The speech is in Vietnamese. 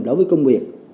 đối với công việc